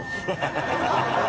ハハハハ。